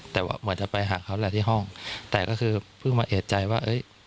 แต่ว่าเหมือนจะไปหาเขาแหละที่ห้องแต่ก็คือเพิ่งมาเอกใจว่าเอ้ย